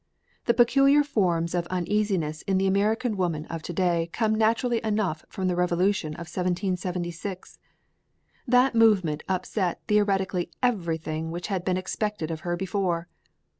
The peculiar forms of uneasiness in the American woman of to day come naturally enough from the Revolution of 1776. That movement upset theoretically everything which had been expected of her before.